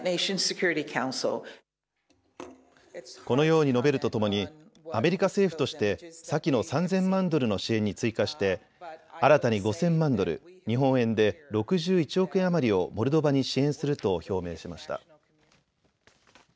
このように述べるとともにアメリカ政府として先の３０００万ドルの支援に追加して新たに５０００万ドル、日本円で６１億円余りをモルドバに支援すると表明しました。